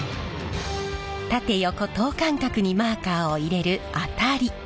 縦横等間隔にマーカーを入れるあたり。